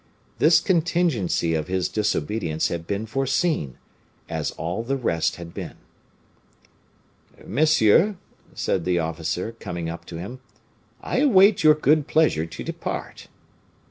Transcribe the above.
This contingency of his disobedience had been foreseen as all the rest had been. "Monsieur," said the officer, coming up to him, "I await your good pleasure to depart."